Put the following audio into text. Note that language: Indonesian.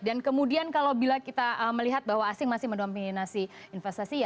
dan kemudian kalau kita melihat bahwa asing masih mendominasi investasi